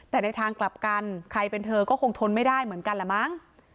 แต่ในทางกลับกันใครเป็นเธอก็คงทนไม่ได้เหมือนกันแหละมั้ง